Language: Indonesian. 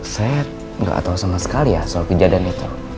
saya gak tau sama sekali ya soal kejadian itu